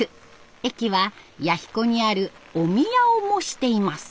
駅は弥彦にあるお宮を模しています。